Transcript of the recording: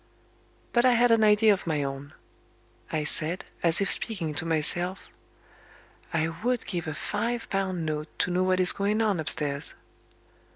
But I had an idea of my own. I said, as if speaking to myself: "I would give a five pound note to know what is going on upstairs."